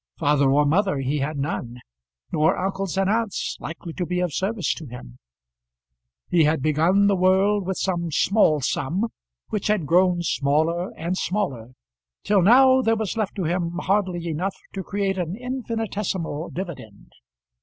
Father or mother he had none, nor uncles and aunts likely to be of service to him. He had begun the world with some small sum, which had grown smaller and smaller, till now there was left to him hardly enough to create an infinitesimal dividend.